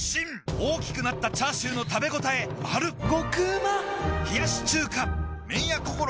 大きくなったチャーシューの食べ応えマル麺屋こころ